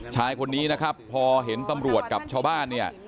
ชายคนนี้นะครับพอเห็นตำรวจกับชาวบ้านเนี่ย